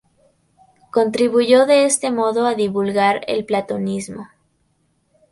Contribuyó de este modo a divulgar el platonismo.